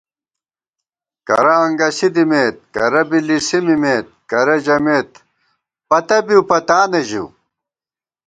کرہ انگَسی دِمېت کرہ بی لِسی مِمېت کرہ ژمېت پتہ بِؤپتانہ ژِؤ